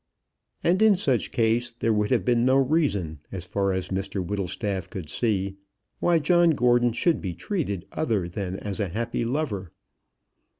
And in such case there would have been no reason, as far as Mr Whittlestaff could see, why John Gordon should be treated other than as a happy lover.